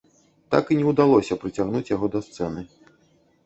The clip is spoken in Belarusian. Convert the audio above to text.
Так і не ўдалося прыцягнуць яго да сцэны.